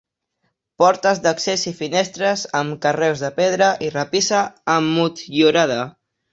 Portes d'accés i finestres amb carreus de pedra i rapissa emmotllurada.